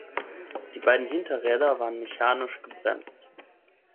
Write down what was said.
Die beiden Hinterräder waren mechanisch gebremst.